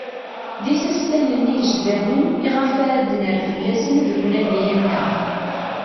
D isastalen igejdanen iɣef ad d-nerr fell-asen deg unadi-a-nneɣ.